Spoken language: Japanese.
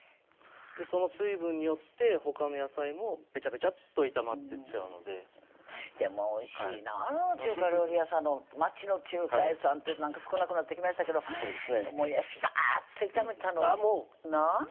その水分によってほかの野菜もべちゃべちゃっと炒まってっちゃうのででもおいしいな中華料理屋さんの街の中華屋さんってなんか少なくなってきましたけどもやしざーっと炒めたのなんておいしいんでしょう